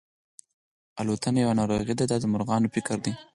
الوتنه یوه ناروغي ده دا د مرغانو فکر دی.